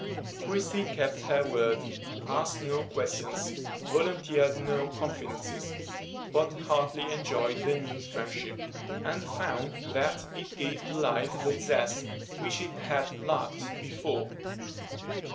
Christie kept her word,—asked no questions, volunteered no confidences, but heartily enjoyed the new friendship, and found that it gave to life the zest which it had lacked before.